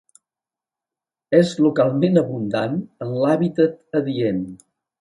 És localment abundant en l'hàbitat adient.